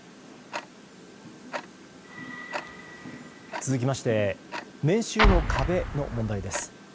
続きまして年収の壁の問題です。